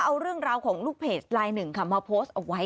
เอาเรื่องราวของลูกเพจลายหนึ่งค่ะมาโพสต์เอาไว้